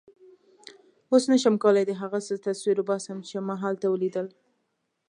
اوس نه شم کولای د هغه څه تصویر وباسم چې ما هلته ولیدل.